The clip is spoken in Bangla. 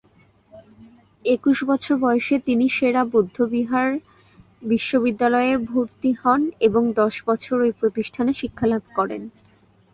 একুশ বছর বয়সে তিনি সে-রা বৌদ্ধবিহার বিশ্ববিদ্যালয়ে ভর্তি হন এবং দশ বছর ঐ প্রতিষ্ঠানে শিক্ষালাভ করেন।